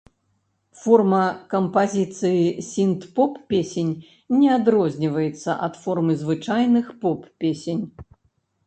Форма кампазіцыі сінт-поп песень не адрозніваецца ад формы звычайных поп-песень.